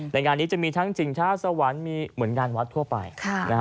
งานนี้จะมีทั้งชิงช้าสวรรค์มีเหมือนงานวัดทั่วไป